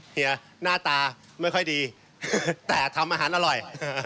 เฮียหน้าตาไม่ค่อยดีแต่ทำอาหารอร่อย